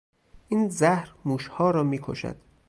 این زهر موشها را میکشد.